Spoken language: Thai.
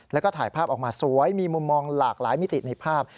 แล้วก็ถ่ายภาพออกมาสวยมีมุมมองหลากหลายมิติในภาพ